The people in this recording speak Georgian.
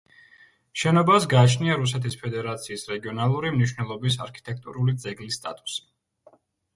შენობას გააჩნია რუსეთის ფედერაციის რეგიონალური მნიშვნელობის არქიტექტურული ძეგლის სტატუსი.